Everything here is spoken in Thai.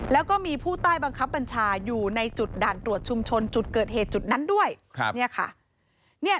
แล้วก็มีผู้ใต้บังคับบัญชาอยู่ในจุดด่านตรวจชุมชนจุดเกิดเหตุจุดนั้นด้วย